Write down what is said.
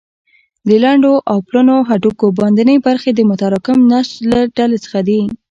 د لنډو او پلنو هډوکو باندنۍ برخې د متراکم نسج له ډلې څخه دي.